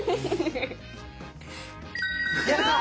やった！